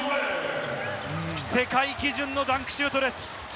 世界基準のダンクシュートです。